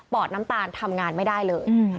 อดน้ำตาลทำงานไม่ได้เลย